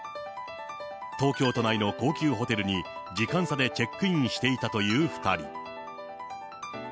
東京都内の高級ホテルに、時間差でチェックインしていたという２人。